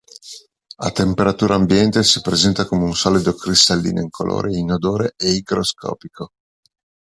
A temperatura ambiente si presenta come un solido cristallino incolore inodore e igroscopico.